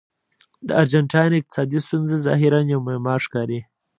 د ارجنټاین اقتصادي ستونزه ظاهراً یوه معما ښکاري.